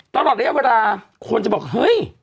ตลอดระยะเวลาคนจะบอกเฮ้ย